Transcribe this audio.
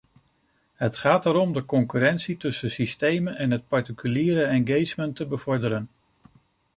Het gaat erom de concurrentie tussen systemen en het particuliere engagement te bevorderen.